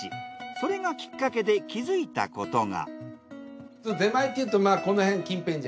それがきっかけで気づいたことが。